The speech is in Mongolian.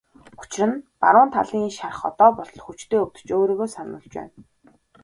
Учир нь баруун талын шарх одоо болтол хүчтэй өвдөж өөрийгөө сануулж байна.